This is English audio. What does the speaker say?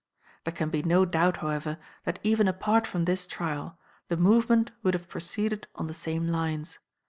There can be no doubt, however, that even apart from this trial the movement would have proceeded on the same lines.